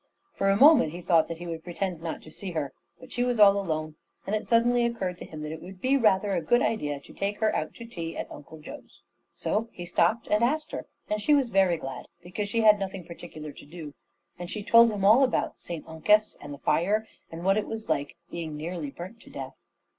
For a moment he thought that he would pretend not to see her, but she was all alone, and it suddenly occurred to him that it would be rather a good idea to take her out to tea at Uncle Joe's. So he stopped and asked her, and she was very glad, because she had nothing particular to do; and she told him all about St Uncus and the fire and what it was like being nearly burnt to death.